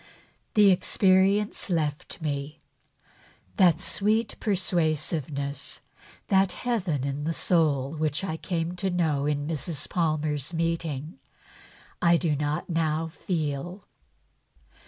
The experience left me. That sweet persuasiveness, that heaven in the soul of which I came to know in Mrs. Palmer's meeting, I do not now feel."